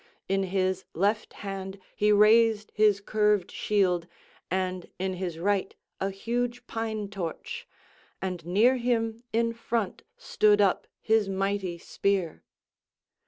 In his left hand he raised his curved shield, and in his right a huge pine torch, and near him in front stood up his mighty spear.